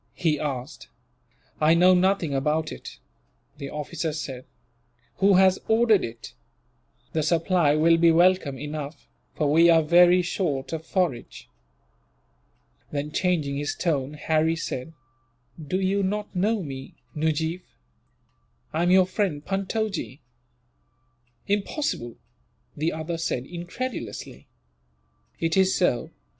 he asked. "I know nothing about it," the officer said. "Who has ordered it? The supply will be welcome enough, for we are very short of forage." Then, changing his tone, Harry said: "You do not know me, Nujeef. I am your friend, Puntojee." "Impossible!" the other said, incredulously. "It is so.